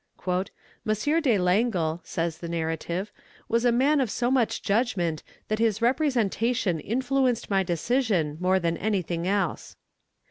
"M. de Langle," says the narrative, "was a man of so much judgment, that his representation influenced my decision more than anything else.